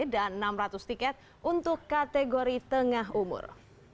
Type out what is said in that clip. dan enam ratus tiket untuk kategori tengah umur